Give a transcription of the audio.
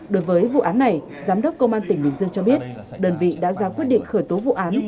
đối với vụ án này giám đốc công an tỉnh bình dương cho biết đơn vị đã ra quyết định khởi tố vụ án